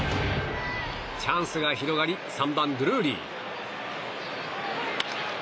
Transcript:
チャンスが広がり３番、ドゥルーリー。